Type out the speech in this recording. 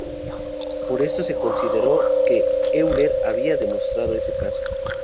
Por esto se consideró que Euler había demostrado ese caso.